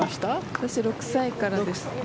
私、６歳からです。